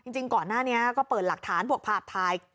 จริงก่อนหน้านี้ก็เปิดหลักฐานพวกภาพถ่าย